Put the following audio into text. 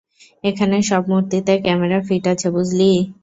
এখানের সব মুর্তিতে camera fit আছে বুঝলি।